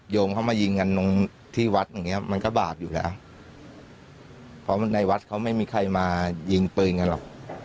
งเข้ามายิงกันตรงที่วัดอย่างเงี้ยมันก็บาปอยู่แล้วเพราะในวัดเขาไม่มีใครมายิงปืนกันหรอก